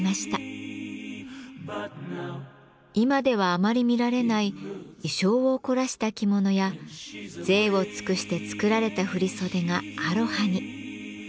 今ではあまり見られない意匠を凝らした着物や贅を尽くして作られた振り袖がアロハに。